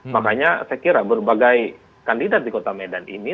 makanya saya kira berbagai kandidat di kota medan ini